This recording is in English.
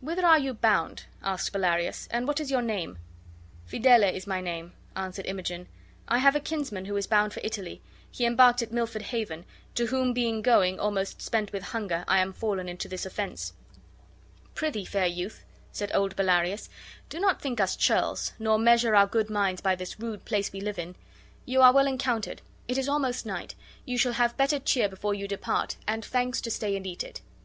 "Whither are you bound," asked Bellarius, "and what is your name?" "Fidele is my name," answered Imogen. "I have a kinsman who is bound for Italy; he embarked at Milford Haven, to whom being going, almost spent with hunger, I am fallen into this offense." "Prithee, fair youth," said old Bellarius, "do not think us churls, nor measure our good minds by this rude place we live in. 'You are well encountered; it is almost night. You shall have better cheer before you depart, and thanks to stay and eat it.